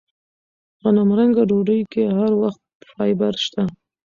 غنمرنګه ډوډۍ کې هر وخت فایبر شته.